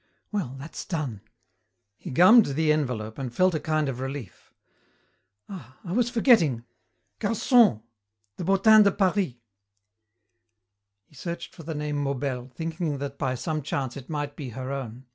Well, that's done." He gummed the envelope and felt a kind of relief. "Ah! I was forgetting. Garçon! The Bottin de Paris." He searched for the name Maubel, thinking that by some chance it might be her own.